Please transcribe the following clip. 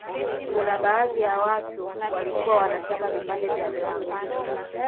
Kuna baadhi ya watu walikuwa wanakata vipande vya mlango